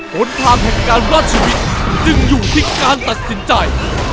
หนทางแห่งการรอดชีวิตจึงอยู่ที่การตัดสินใจ